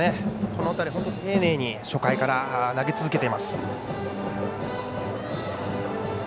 この辺り本当に丁寧に初回から投げ続けています。